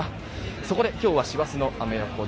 そこで今日は師走のアメ横で